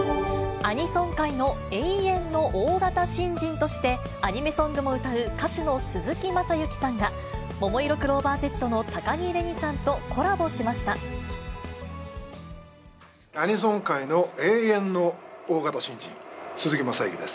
アニソン界の永遠の大型新人としてアニメソングも歌う歌手の鈴木雅之さんが、ももいろクローバーＺの高城れにさんとコラボしましアニソン界の永遠の大型新人、鈴木雅之です。